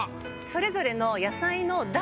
それぞれの。